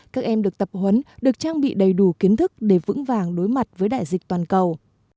các em được tập huấn được trang bị đầy đủ kiến thức để vững vàng đối mặt với đại dịch toàn cầu